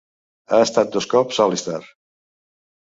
Ha estat dos cops All-Star.